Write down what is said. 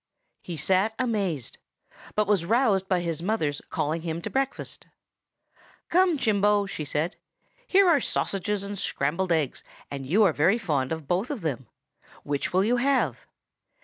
He sat amazed; but was roused by his mother's calling him to breakfast. "'Come, Chimbo,' she said. 'Here are sausages and scrambled eggs; and you are very fond of both of them. Which will you have?